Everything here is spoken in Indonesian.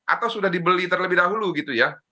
atau sudah dibeli terlebih dahulu gitu ya